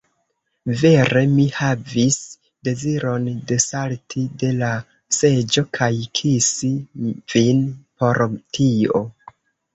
Vere mi havis deziron desalti de la seĝo kaj kisi vin por tio!